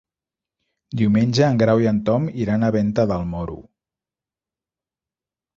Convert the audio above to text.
Diumenge en Grau i en Tom iran a Venta del Moro.